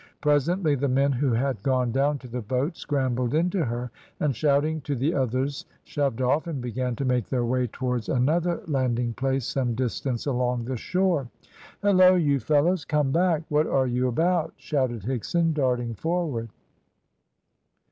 Presently the men who had gone down to the boat scrambled into her, and shouting to the others shoved off, and began to make their way towards another landing place some distance along the shore. "Hillo! you fellows! come back. What are you about?" shouted Higson, darting forward.